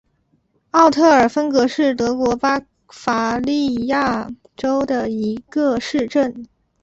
奥特尔芬格是德国巴伐利亚州的一个市镇。